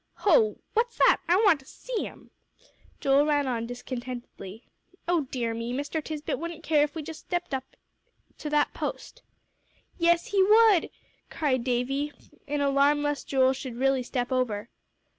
"Hoh what's that! I want to see 'em," Joel ran on discontentedly. "O dear me! Mr. Tisbett wouldn't care if we just stepped in up to that post." "Yes, he would," cried Davie, in alarm lest Joel should really step over.